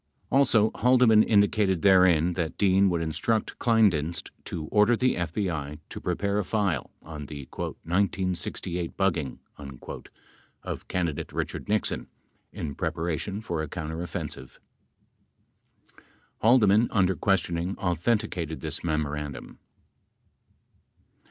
Also, Haldeman indicated therein that Dean would instruct Kleindienst to order the FBI to pre pare a file on the "1968 bugging" of candidate Richard Nixon in prepa ration for a counteroffensive. 21 Haldeman, under questioning, authenti cated this memorandum.